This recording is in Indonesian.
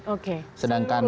oke seluruh ya pak ya